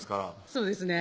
そうですね